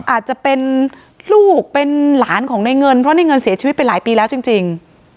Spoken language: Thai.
อาจจะเป็นลูกเป็นหลานของในเงินเพราะในเงินเสียชีวิตไปหลายปีแล้วจริง